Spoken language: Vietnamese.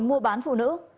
mua bán phụ nữ